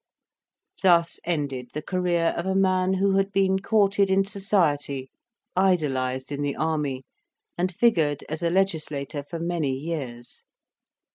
Thus ended the career of a man who had been courted in society, idolized in the army, and figured as a legislator for many years.